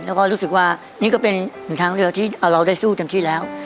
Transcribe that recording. และก็รู้สึกว่านี่ก็เป็นหนึ่งทางเลือกที่เราได้สู้จำที่แล้ว